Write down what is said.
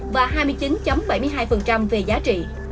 và hai mươi chín bảy mươi hai về giá trị